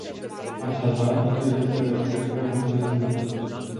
Așadar trebuie să respectăm acest lucru.